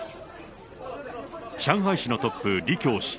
上海市のトップ、李強氏。